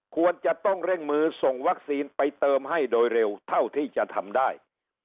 ควรจะต้องเร่งมือส่งวัคซีนไปเติมให้โดยเร็วเท่าที่จะทำได้